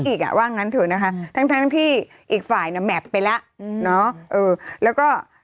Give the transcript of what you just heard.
อีกอ่ะว่างั้นเถอะนะคะทั้งทั้งที่อีกฝ่ายน่ะแม็กซ์ไปแล้วแล้วก็